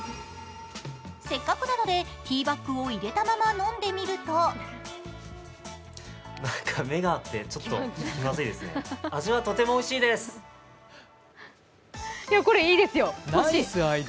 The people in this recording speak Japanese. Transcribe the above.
せっかくなので、ティーバッグを入れたまま飲んでみるとこれいいですよ、欲しい。